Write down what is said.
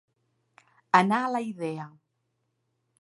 Anar a la idea.